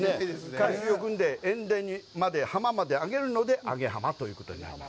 海水をくんで、塩田にまで、浜まで揚げるので、揚げ浜ということになります。